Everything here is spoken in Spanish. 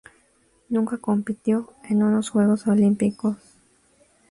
Nunca compitió en unos Juegos Olímpicos.